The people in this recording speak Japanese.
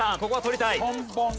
ここは取りたい。